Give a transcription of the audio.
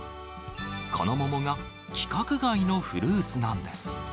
この桃が、規格外のフルーツなんです。